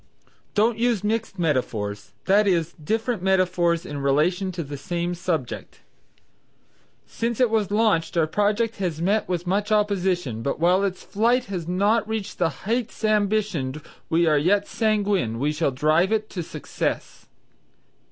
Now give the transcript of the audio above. Don't use mixed metaphors, that is, different metaphors in relation to the same subject: "Since it was launched our project has met with much opposition, but while its flight has not reached the heights ambitioned, we are yet sanguine we shall drive it to success."